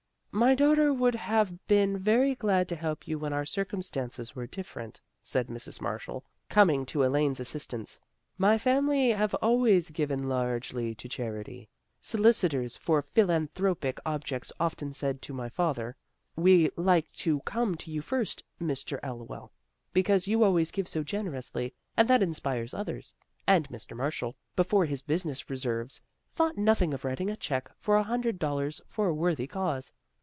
" My daughter would have been very glad to help you when our circumstances were dif ferent," said Mrs. Marshall, coming to Elaine's assistance. " My family have always given largely to charity. Solicitors for philanthropic objects often said to my father, ' We like to come to you first, Mr. Elwell, because you always give so generously, and that inspires others.' And Mr. Marshall, before his business reverses, thought nothing of writing a check for a hundred dollars for a worthy cause."